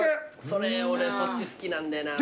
それ俺そっち好きなんだよな。